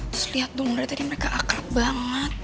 terus lihat dulu mereka akrab banget